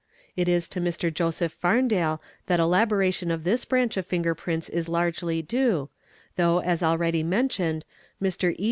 It is to Mr. Joseph Farndale that elaboration of this branch of finger prints is largely due, though as already mentioned, Mr. E.